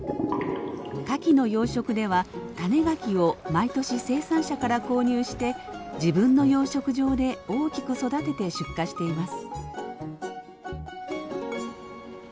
カキの養殖では種ガキを毎年生産者から購入して自分の養殖場で大きく育てて出荷しています。